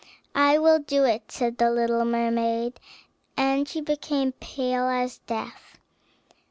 "I will do it," said the little mermaid, and she became pale as death.